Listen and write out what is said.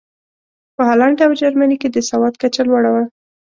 په هالنډ او جرمني کې د سواد کچه لوړه وه.